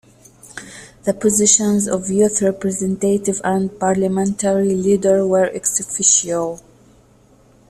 The positions of Youth Representative and Parliamentary Leader were "ex officio".